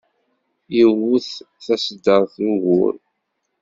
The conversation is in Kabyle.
Yewwet taseddart d ugur.